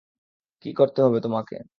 কী করতে হবে তোমাকে?